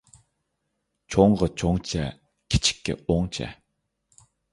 چوڭغا چوڭچە، كىچىككە ئوڭچە